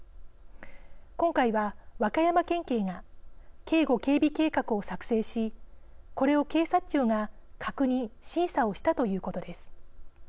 今回は和歌山県警が警護・警備計画を作成しこれを警察庁が確認、審査をしたということです。